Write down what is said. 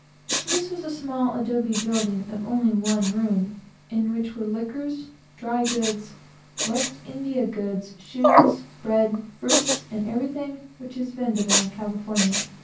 This was a small mud building, of only one room, in which were liquors, dry and West India goods, shoes, bread, fruits, and everything which is vendible in California.